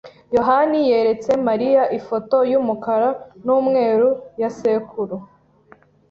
yohani yeretse Mariya ifoto yumukara numweru ya sekuru.